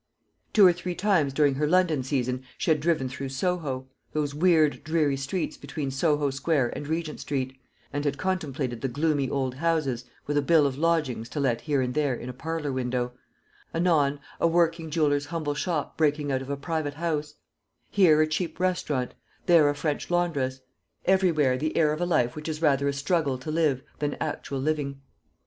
Two or three times during her London season she had driven through Soho those weird dreary streets between Soho Square and Regent Street and had contemplated the gloomy old houses, with a bill of lodgings to let here and there in a parlour window; anon a working jeweller's humble shop breaking out of a private house; here a cheap restaurant, there a French laundress; everywhere the air of a life which is rather a struggle to live than actual living.